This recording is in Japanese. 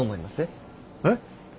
えっ？